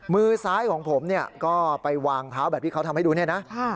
มือซ้ายของผมเนี่ยก็ไปวางเท้าแบบที่เขาทำให้ดูเนี่ยนะ